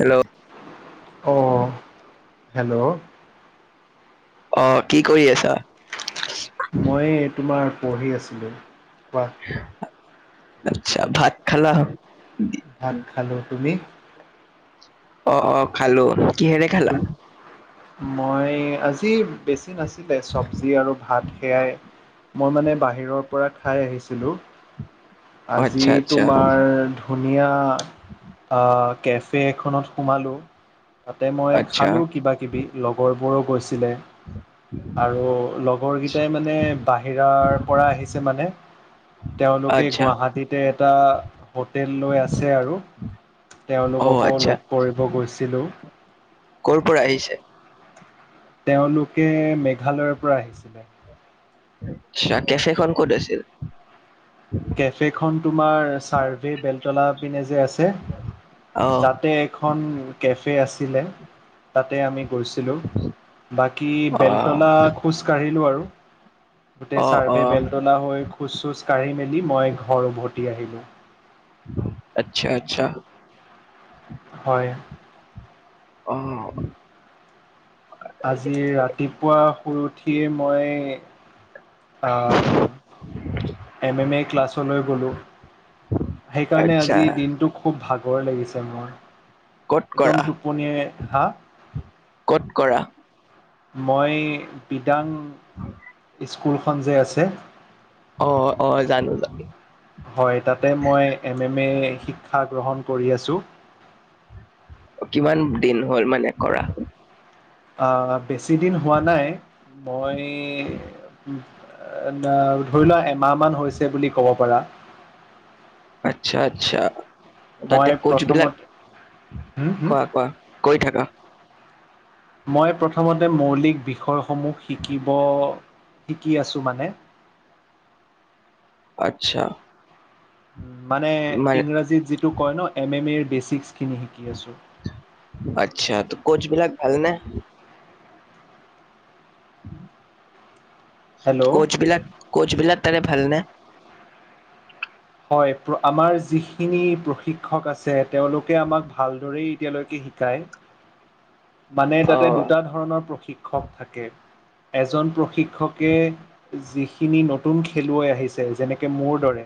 Hello অঁ hello অ কি কৰি আছা। মই তোমাৰ পঢ়ি আছিলোঁ কোৱা আচ্ছা ভাত খালা ভাত খালো তুমি অ অ খালো কিহেৰে খালা তুম মই আজি বেছি নাছিলে চব্জি আৰু ভাত সেয়াই মই মানে বাহিৰৰ পৰা খাই আহিছিলো আজি আচ্ছা আচ্ছা তোমাৰ ধুনীয়া কেফে এখনত সোমালোঁ। তাতে মই আচ্ছা খালোঁ কিব কিবি লগৰবোৰো গৈছিলে আৰু লগৰকেইটাই মানে বাহিৰৰ পৰা আহিছে মানে তেওঁলোকে আচ্ছা গুৱাহাটীতে এটা হোটেল লৈ আছে আৰু অ তেওঁলোককো আচ্ছা লগ কৰিব গৈছিলোঁ। কৰ পৰা আহিছে তেওঁলোকে মেঘালয়ৰ পৰা আহিছিলে [unintelligible] কেফেখন ক'ত আছিল কেফেখন তোমাৰ চাৰ্ভে বেলতলা পিনে এ যে আছে অ তাতে এখন কেফে আছিলে তাতে আমি গৈছিলোঁ বাকী অ বেলতলা খোজ কাঢ়িলোঁ আৰু গোটেই অ অ চাৰ্ভে বেলতলা হৈ খোজ চোজ কাঢ়ি মেলি মই ঘৰ উভতি আহিলো আচ্ছা, আচ্ছা হয়, অ', আজি ৰাতিপুৱা শুই উঠিয়েই মই আ, এম এম এ ক্লাছলৈ গ'লো। সেইকাৰণে আচ্ছা আজি দিনটো খুব ভাগৰ লাগিছে মোৰ। ক'ত কৰা একদম টোপনীয়া হা? ক'ত কৰা মই বিডাং স্কুলখন যে আছে অ অ জানো জানো হয় তাতে মই এম এম এ শিক্ষা গ্ৰহণ কৰি আছোঁ কিমান দিন হ'ল মানে কৰা আহ বেছি দিন হোৱা নাই মই এ ধৰি লোৱা এমাহ মান হৈছে বুলি কব পাৰা আচ্ছা আচ্ছা তাতে মই কোচ বিলাক প্ৰথমত হুম হুম কোৱা কোৱা কৈ থাকা মই প্ৰথমতে মৌলিক বিষয়সমূহ শিকিব শিকি আছোঁ মানে। [inaudible] আচ্ছা। উম, মানে মানে ইংৰাজীত যিটো কয় ন এম এম এৰ বেচিকচ আচ্ছা ত 'কোচ বিলাক ভালনে? হেল্ল' কোচ বিলাক কোচ বিলাক তাৰে ভালনে? হয়, আমাৰ যিখিনি প্ৰশিক্ষক আছে তেওঁলোকে আমাক ভালদৰেই এতিয়ালৈকে শিকায় মানে তাতে অ'। দুটা ধৰণৰ প্ৰশিক্ষক থাকে। এজন প্ৰশিক্ষকে যিখিনি নতুন খেলুৱৈ আহিছে যেনেকে মোৰ দৰে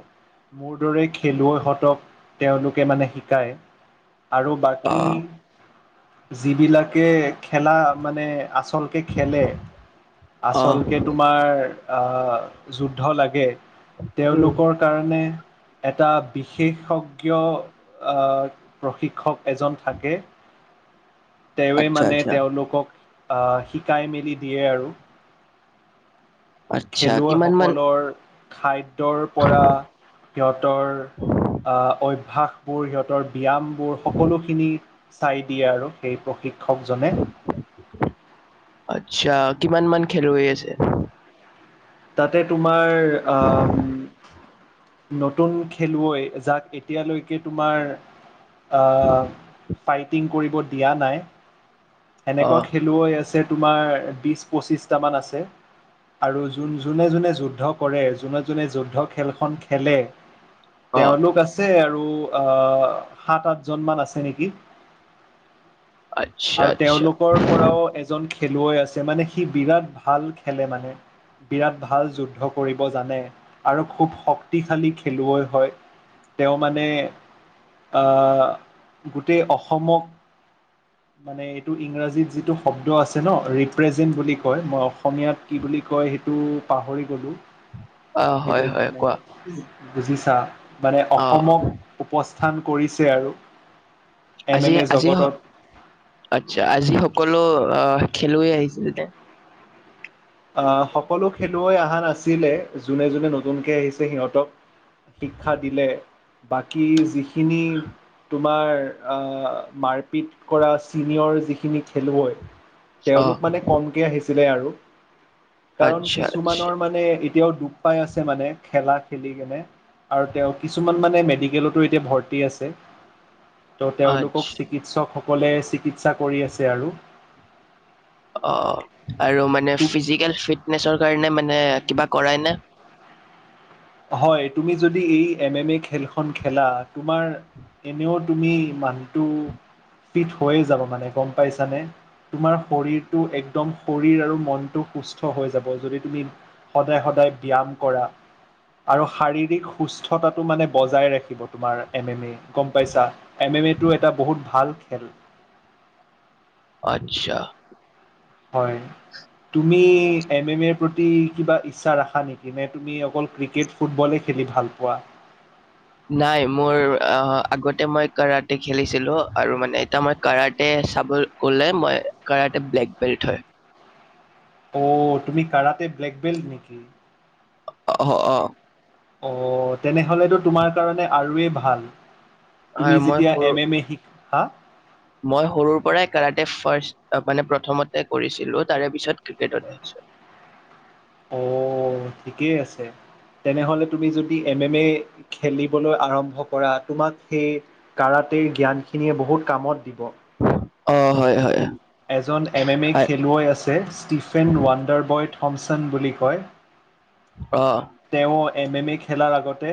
মোৰ দৰে খেলুৱৈ হঁতক তেওঁলোকে মানে শিকায়। আৰু বাকী অ', যিবিলাকে খেলা মানে আছ আচলকে খেলে অ'। আচলকে তোমাৰ আ, যুদ্ধ লাগে উম। তেওঁলোকৰ কাৰণে এটা বিশেষজ্ঞ আ, প্ৰশিক্ষক এজন থাকে। তেওঁৱে আচ্ছা, মানে আচ্ছা, তেওঁলোকক আ, শিকাই মেলি দিয়ে আৰু। আচ্ছা কিমান মান খেলুৱৈসকলৰ খাদ্যৰ পৰা সিহঁতৰ আ, ঐ ভাসবোৰ সিহঁতৰ ব্যায়ামবোৰ সকলোখিনি চাই দিয়ে আৰু সেই প্ৰশিক্ষকজনে। আচ্ছা কিমান মান খেলুৱৈ আছে? তাতে তোমাৰ আ, নতুন খেলুৱৈ যাক এতিয়ালৈকে তোমাৰ আ, ফাইটিং কৰিব দিয়া নাই অ', এনেকুৱা খেলুৱৈ আছে তোমাৰ বিশ পঁচিছটা মান আছে। আৰু যোন যোনে যোনে যুদ্ধ কৰে যোনে যোনে যুদ্ধ খেলখন খেলে অ', তেওঁলোক আছে আৰু আৰু আ, সাত আঠজন মান আছে নেকি। আচ্ছা, আৰু আচ্ছা। তেওঁলোকৰ পৰাও এজন খেলুৱৈ আছে মানে সি বিৰাট ভাল খেলে মানে। বিৰাট ভাল যুদ্ধ কৰিব জানে আৰু খুব শক্তিশালী খেলুৱৈ হয়। তেওঁ মানে আ, গোটেই অসমক মানে এইটো ইংৰাজীত যিটো শব্দ আছে ন ৰিপ্ৰেজেন্ট বুলি কয়, মই অসমীয়াত কি বুলি কয় সেইটো পাহৰি গ'লোঁ অ', হয়, এইটো হয় মানে কোৱা। বুজিছা? মানে অ', অসমক উপস্থান কৰিছে আৰু। আজি এম এম এ আজি জগতত আচ্ছা আজি সকলো আ, খেলুৱৈ আহিছিল নে? আ, সকলো খেলুৱৈ অহা নাছিলে যোনে যোনে নতুনকে আহিছে সিহঁতক শিক্ষা দিলে বাকী যিখিনি তোমাৰ আ, মাৰপিট কৰা চিনিয়ৰ যিখিনি খেলুৱৈ অ', তেওঁলোক মানে কমকে আহিছিলে আৰু। কাৰণ আচ্ছা, আচ্ছা, কিছুমানৰ মানে এতিয়াও দুখ পাই আছে মানে খেলা খেলি কেনে। আৰু তেওঁ কিছুমান মানে মেডিকেলটো এতিয়া ভৰ্তি আছে। ত' তেওঁলোকক আচ্ছা, চিকিৎসক সকলে চিকিৎসা কৰি আছে আৰু। অ', আৰু মানে ফিজিকেল ফিটনেছৰ কাৰণে মানে কিবা কৰাই নে? হয়, তুমি যদি এই এম এম এ খেলখন খেলা তোমাৰ এনেও তুমি মানুহটো ফিট হৈয়ে যাব মানে গম পাইছানে। তোমাৰ শৰীৰটো একদম শৰীৰ আৰু মনটো সুস্থ হৈ যাব যদি তুমি সদায় সদায় ব্যায়াম কৰা। আৰু শাৰীৰিক সুস্থতাটো মানে বজাই ৰাখিব তোমাৰ এম এম এ। গম পাইছা এম এম এটো এটা বহুত ভাল খেল। আচ্ছা। হয়, তুমি এম এম এৰ প্ৰতি কিবা ইচ্ছা ৰাখা নেকি নে তুমি অকল ক্ৰিকেট ফুটবলে খেলি ভাল পোৱা [inaudible] নাই মোৰ অ, আগতে মই কাৰাতে খেলিছিলো আৰু মানে এতিয়া মই কাৰাতে চাবল গ'লে মই কাৰাটে ব্লেক বেল্ট হয়। অ', তুমি কাৰাটে ব্লেক বেল্ট নেকি? অ', অ', অ', তেনেহলেতো তোমাৰ কাৰণে আৰু ৱেই ভাল। আৰু তুমি মই যেতিয়া সৰু এম এম এ শিকখা মই সৰুৰ পৰাই কাৰতে ফাৰ্ষ মানে প্ৰথমতে কৰিছিলোঁ তাৰে পিছত ক্ৰিকেটত আহিছো। [inaudible] অ', ঠিকেই আছে। তেনেহলে তুমি যদি এম এম এ খেলিবলৈ আৰম্ভ কৰা তোমাক সেই কাৰ টে জ্ঞানখিনিয়ে বহুত কামত দিব। অ', হয়, হয়। এজন এম এম এ আ- খেলুৱৈ আছে ষ্টিফেন ৱাণ্ডাৰবয়ত থম্পচন বুলি কয়। অ', তেওঁ এম এম এ খেলাৰ আগতে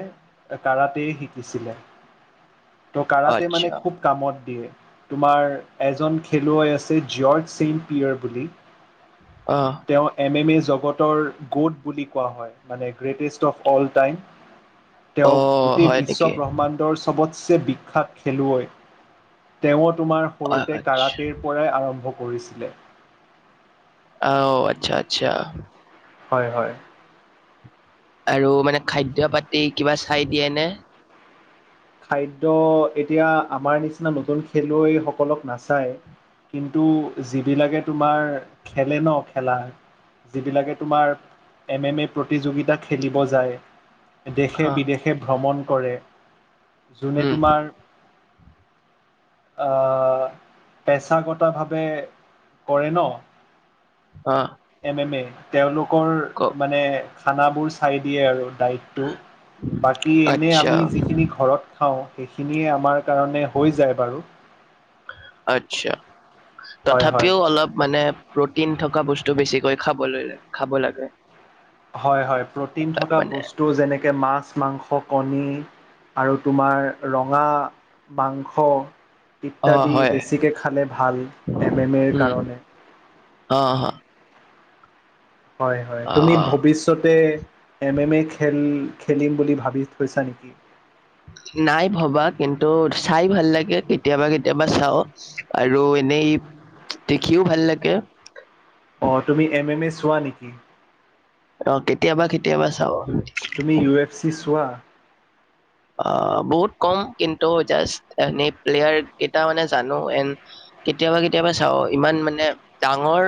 কাৰাতেই শিকিছিলে। ত' কাৰাতে মানে আচ্ছা খুব কামত দিয়ে তোমাৰ এজন খেলুৱৈ আছে জিয়ৰ্জ চেইণ্ট পিয়ৰ বুলি। অ', তেওঁ এম এম এ জগতৰ গোদ বুলি কোৱা হয়। মানে গ্ৰেটেষ্ট অফ অল টাইম, তেওঁ অ', গোটেই হয় বিশ্ব নেকি? ব্ৰহ্মাণ্ডৰ চবত বিখ্যাত খেলুৱৈ, তেওঁ তোমাৰ অ', সৰুতে আচ্ছা কাৰাটেৰ পৰাই আৰম্ভ কৰিছিলে। অ', আচ্ছা আচ্ছা। হয়, হয়, আৰু মানে খাদ্য পাতি কিবা চাই দিয়ে নে? খাদ্য এতিয়া আমাৰ নিচিনা নতুন খেলুৱৈসকলক নাচায়। কিন্তু যিবিলাকে তোমাৰ খেলে ন খেলা যিবিলাকে তোমাৰ এম এম এ প্ৰতিযোগিতা খেলিব যায় দেশে অ', বিদেশে ভ্ৰমণ কৰে যোনে উম, তোমাৰ [inaudible] আ, পেছাগত ভাৱে কৰে ন' অ', এম এম এ তেওঁলোকৰ কওক মানে খানাবোৰ চাই দিয়ে আৰু। দায়িতটো বাকী এনেই আচ্ছা আমি যিখিনি ঘৰত খাওঁ সেইখিনিয়ে আমাৰ কাৰণে হৈ যায় বাৰু। আচ্ছা। হয় হয় তথাপিও অলপ মানে প্ৰটিন থকা বস্তু বেছিকৈ খাবলৈ খাব লাগে। হয়, হয় প্ৰটিন আহ, থকা মানে বস্তু যেনেকৈ মাছ, মাংস, কণী আৰু তোমাৰ ৰঙা মাংস অ ইত্যাদি হয় বেছিকে খালে ভাল এম এম এৰ উম কাৰণে। অ', অ', হয়, হয়, তুমি অ। ভৱিষ্যতে এম এম এ খেল খেলিম বুলি ভাবি থৈছা নেকি? [inaudible] নাই ভবা কিন্তু চাই ভাল লাগে কেতিয়াবা কেতিয়াবা চাও আৰু এনেই দেখিও ভাল লাগে। অ', তুমি এম এম এ চোৱা নেকি? অ', কেতিয়াবা কেতিয়াবা চাব তুমি ইউ এফ চি চোৱা অ', বহুত কম কিন্তু জাষ্ট এনে প্লেয়াৰ কেইটা মানে জানো এন কেতিয়াবা কেতিয়াবা চাও ইমান মানে ডাঙৰ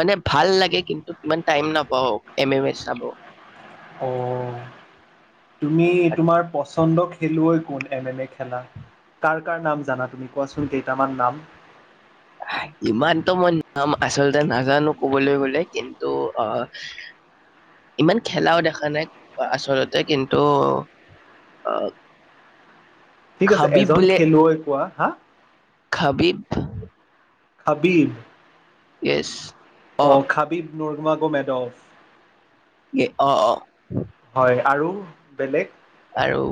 মানে ভাল লাগে কিন্তু ইমান টাইম নাপ [unintelligible] এম এম এ চাব। অ', তুমি তোমাৰ পচন্দ খেলুৱৈ কোন এম এম এ খেলা কাৰ কাৰ নাম জানা তুমি কোৱাচোন কেইটামান নাম? ইমানতটো মই নাম আচলতে নাজানো কবলৈ গলে কিন্তু আ, ইমান খেলাও দেখা নাই আচলতে কিন্তু অ', ঠিক আছে এজন খেলুৱৈ কোৱা হা? খাবিব। Khabib yes. অ', খাবিব নৰ্গমা গ মেডফ। এ অ', অ', হয় আৰু বেলেগ? আৰু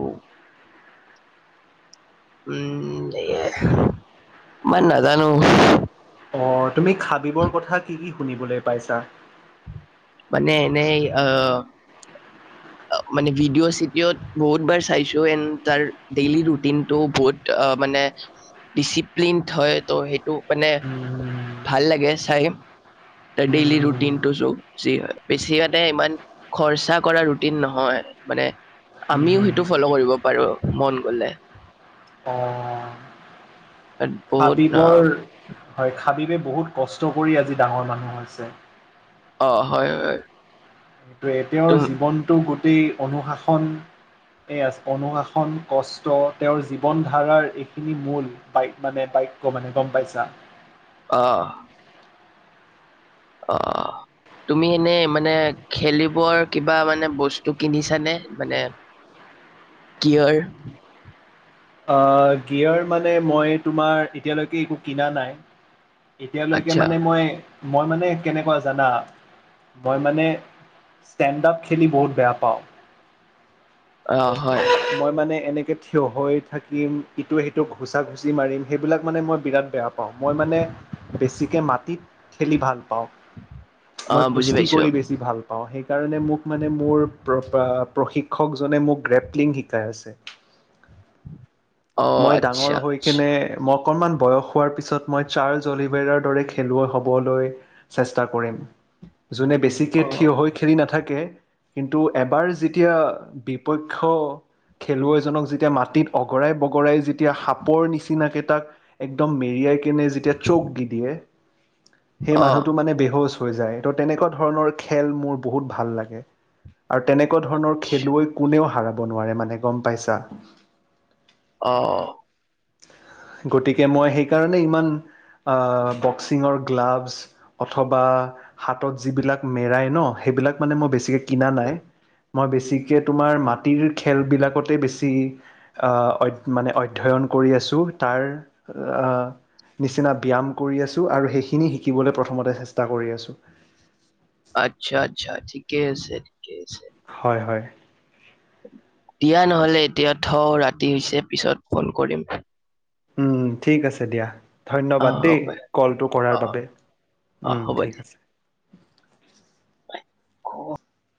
উম, ইমান নাজানো। অ', তুমি খাবিবৰ কথা কি কি শুনিবলৈ পাইছা? মানে এনে আ, মানে ভিডিঅ চিদিওত বহুত বাৰ চাইচো এন তাৰ ডেইলি ৰুটিনটো বহুত আ, অ', মানে ডিচিপ্লিন হয় ত' সেইটো মানে ভাল লাগে চাই। ডেইলি ৰুটিনটো চ যি বেছি মানে ইমান খৰচা কৰা ৰুটিন নহয়, মানে আমিও সেইটো ফ'ল' কৰিব পাৰো মন গলে। [inaudible] বহুত হাবিবৰ হয়, খাবিবে বহুত কষ্ট কৰি আজি ডাঙৰ মানুহ হৈছে। অ', হয়, হয় সেইটোৱে তেওঁৰ তুম জীৱনটো গোটেই অনুশাসন এয়া অনুশাসন কষ্ট তেওঁৰ জীৱন ধাৰাৰ এইখিনি মূল [unintelligible] মানে বা বাক্য মানে গম পাইছা! অ', অ', তুমি এনেই মানে খেলিবৰ কিবা মানে বস্তু কিনিছানে মানে? কিহৰ? অ', গীয়াৰ মানে মই তোমাৰ এতিয়ালৈকে কিনা নাই এতিয়ালৈকে আচ্ছা মানে মই-মই মানে কেনেকুৱা জানা মই মানে ষ্টেণ্ড আপ খেলি বহুত বেয়া পাওঁ। অ হয় মই মানে এনেকে থিয় হৈ থাকিম ইটোৱে সিটো ঘুচা ঘুচি মাৰিম সেইবিলাক মানে মই বিৰাট বেয়া পাওঁ, মই মানে বেছি মাটিত খেলি ভাল পাওঁ, অ মই বুজি কুস্তি পাইছো কৰি বেচি ভাল পাওঁ সেই কাৰণে মোক মানে মোৰ আ, প্ৰশিক্ষকজনে মোক গ্ৰেপলিং শিকাই আছে। [inaudible] অ মই আচ্ছা ডাঙৰ হৈ আচ্ছা কিনে মোক অকণমান বয়স হোৱাৰ পিছত মই চাৰ্ল অলিভেৰাৰ দৰে খেলুৱৈ হ'বলৈ চেষ্টা কৰিম। যোনে বেছিকে অ থিয় হৈ খেলি নাথাকে থাকে কিন্তু এবাৰ যেতিয়া বিপক্ষ খেলুৱৈজনক যেতিয়া মাটিত অগৰাই ব গৰাই যেতিয়া সাপৰ নিচিনাকেইটাক একদম মেৰিয়াই কেনে যেতিয়া চ'ক দি দিয়ে সেই অ মানুহটো মানে বেহচ হয় যায় ত' তেনেকুৱা ধৰণৰ খেল মোৰ বহুত ভাল লাগে। আৰু তেনেকুৱা ধৰণৰ খেলুৱৈ কোনেও হৰাব নোৱাৰে মানে গম পাইছা। অ', অ' গতিকে মই সেইকাৰণে ইমান আ, বক্সিঙৰ গ্লাভছ অথবা হাতত যিবিলাক মেৰাই ন সেই সেইবিলাক মানে মই বেছিকে কিনা উম, নাই। মই বেছিকে তোমাৰ মাটিৰ খেলবিলাকতে বেছি আ, ঐ মানে অধ্যয়ন কৰি আছো তাৰ আ, নিচিনা ব্যায়াম কৰি আছোঁ আৰু সেইখিনি শিকিবলৈ প্ৰথমতে চেষ্টা কৰি আছোঁ। আচ্ছা আচ্ছা ঠিকে আছে ঠিকে আছে। হয়, হয় দিয়া নহলে এতিয়া থও ৰাতি হৈছে পিছত ফোন কৰিম। উম, ঠিক আছে দিয়া। আহ ধন্যবাদ দেই হ'ব কলটো কৰাৰ আহ বাবে আহ উম, ঠিক আছে। ক